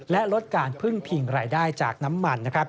และลดการพึ่งพิงรายได้จากน้ำมัน